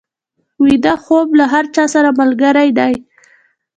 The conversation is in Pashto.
ویده خوب له هر چا سره ملګری دی